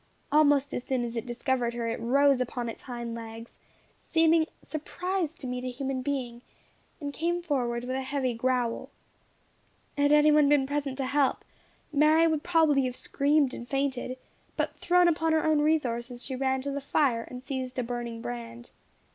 Almost as soon as it discovered her, it rose upon its hind legs, seeming surprised to meet a human being, and came forward with a heavy growl. Had any one been present to help, Mary would probably have screamed and fainted, but thrown upon her own resources she ran to the fire and seized a burning brand.